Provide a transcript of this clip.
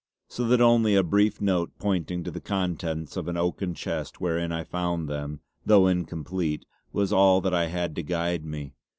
So that only a brief note pointing to the contents of an oaken chest wherein I found them, though incomplete, was all that I had to guide me.